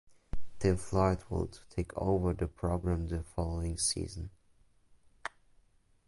Tim Floyd would take over the program the following season.